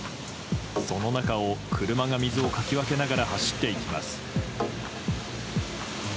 その中を車が水をかき分けながら走っていきます。